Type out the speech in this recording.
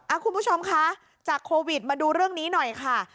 คุณผู้ชมคะจากโควิดมาดูเรื่องนี้หน่อยค่ะ